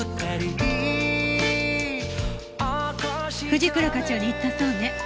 藤倉課長に言ったそうね？